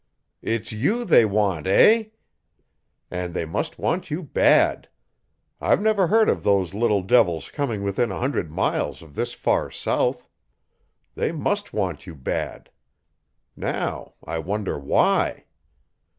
"It's you they want, eh? And they must want you bad. I've never heard of those little devils coming within a hundred miles of this far south. They MUST want you bad. Now I wonder WHY?"